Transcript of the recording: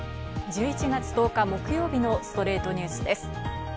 １１月１０日、木曜日の『ストレイトニュース』です。